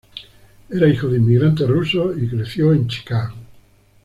Era hijo de inmigrantes rusos, y creció en Chicago.